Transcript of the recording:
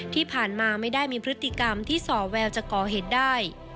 ที่ผ่านมาไม่ได้มีพฤติกรรมที่ส่อแววจะก่อเหตุได้